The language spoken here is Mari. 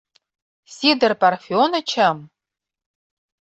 Сидыр Парфенычым?!